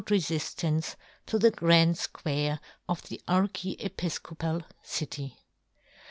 73 refiftance, to the Grand Square of the archiepifcopal city.